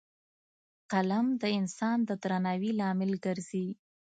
قلم د انسان د درناوي لامل ګرځي